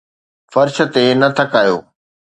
فرش تي نه ٿڪايو